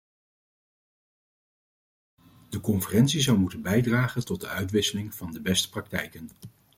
De conferentie zou moeten bijdragen tot de uitwisseling van de beste praktijken.